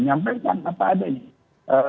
menyampaikan apa adanya